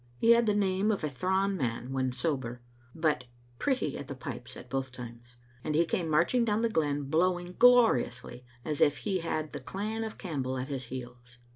He had the name of a thrawn man when sober, but pretty at the pipes at both times, and he came marching down the glen blowing gloriously, as if he had the clan of Campbell at his heels.